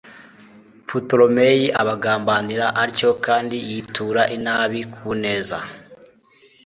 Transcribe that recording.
putolemeyi abagambanira atyo kandi yitura inabi ku neza